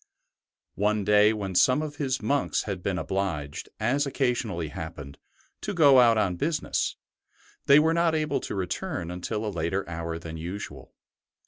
One day when some of his monks had been obliged, as occasionally happened, to go out on business, they were not able to return until a later hour than usual.